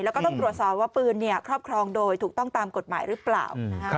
แล้วก็ต้องตรวจสอบว่าปืนครอบครองโดยถูกต้องตามกฎหมายหรือเปล่า